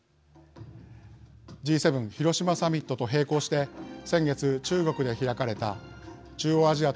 Ｇ７広島サミットと並行して先月中国で開かれた中央アジアとのサミットです。